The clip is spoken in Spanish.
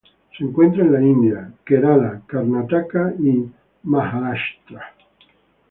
Se encuentra en la India: Kerala, Karnataka y Maharashtra.